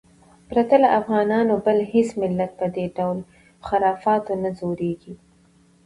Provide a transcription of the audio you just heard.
پرته له افغانانو بل هېڅ ملت په دې ډول خرافاتو نه ځورېږي.